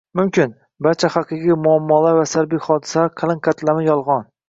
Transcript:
mumkin. Barcha haqiqiy muammolar va salbiy hodisalar qalin qatlami yolg‘on